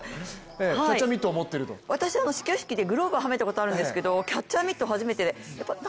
私、始球式でグローブはめたことあるんですけどキャッチャーミット初めて。